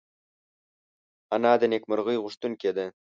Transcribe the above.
انا د نېکمرغۍ غوښتونکې ده